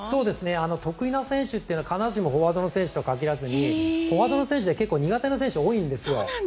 得意な選手っていうのは必ずしもフォワードの選手とは限らずにフォワードの選手結構苦手な選手多いんですよ。